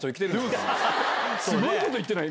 スゴいこと言ってない？